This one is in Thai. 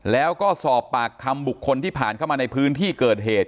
แล้วก็สอบปากคำบุคคลที่ผ่านเข้ามาในพื้นที่เกิดเหตุ